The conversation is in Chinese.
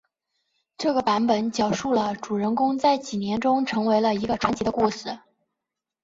这个版本讲述了主人公在几年中成为了一个传奇的故事。